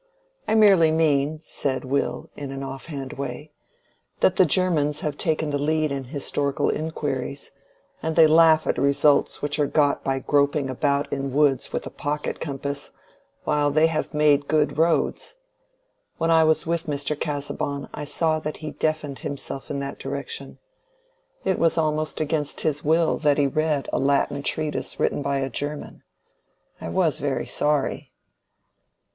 "I merely mean," said Will, in an offhand way, "that the Germans have taken the lead in historical inquiries, and they laugh at results which are got by groping about in woods with a pocket compass while they have made good roads. When I was with Mr. Casaubon I saw that he deafened himself in that direction: it was almost against his will that he read a Latin treatise written by a German. I was very sorry."